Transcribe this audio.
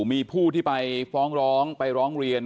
มีผู้ที่ไปฟ้องร้องไปร้องเรียน